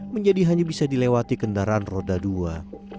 menjadi hanya bisa dilewati kendaraan roda dua